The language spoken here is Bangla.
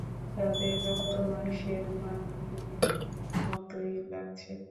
তাকে রক্তমাংসের মানবীর মতোই লাগছে।